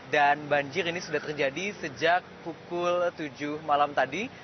dan banjir ini sudah terjadi sejak pukul tujuh malam tadi